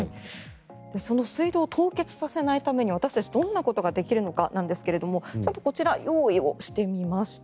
その水道を凍結させないために私たちはどんなことができるのかですがこちら、用意をしてみました。